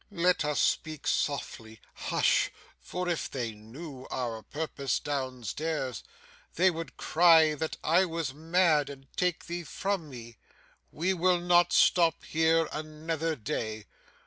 Let us speak softly. Hush! for if they knew our purpose down stairs, they would cry that I was mad and take thee from me. We will not stop here another day.